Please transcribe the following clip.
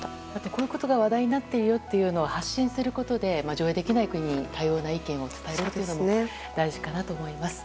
このことが話題になっているよって発信することで上映できない国に多様なことを伝えるのも大事かなと思います。